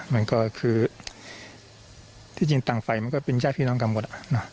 มันก็คือที่จริงต่างไฟมันก็เป็นญาติพี่น้องกันหมด